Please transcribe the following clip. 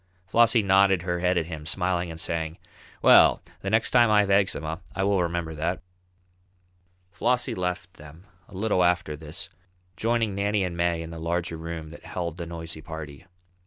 Flossie nodded her head at him, smiling and saying: "Well, the next time I have eczema I will remember that." Flossie left them a little after this, joining Nannie and May in the larger room that held the noisy party.